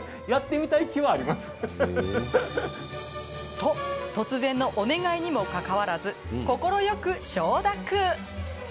と、突然のお願いにもかかわらず快く承諾。